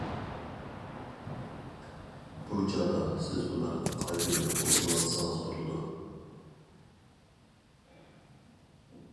بۇ چاغدا سىز ئۇلارنى قايتىدىن قوشۇۋالسىڭىز بولىدۇ.